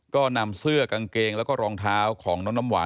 ก็นำเสื้อกางเกงแล้วก็รองเท้าของน้องน้ำหวาน